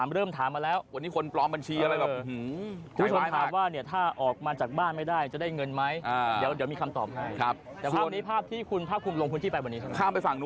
เดี๋ยวบอกเพราะก็มีคำถามเริ่มถามไปแล้ว